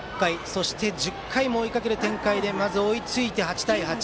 そして１０回も追いかける展開でまず追いついて８対８。